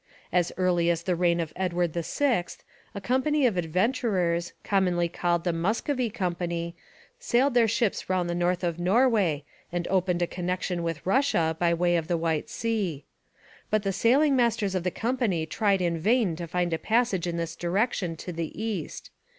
As early as the reign of Edward the Sixth, a company of adventurers, commonly called the Muscovy Company, sailed their ships round the north of Norway and opened a connection with Russia by way of the White Sea. But the sailing masters of the company tried in vain to find a passage in this direction to the east.